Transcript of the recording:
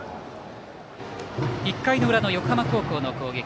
１回裏の横浜高校の攻撃。